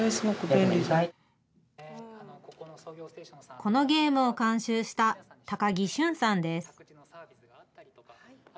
このゲームを監修した高木駿さんです。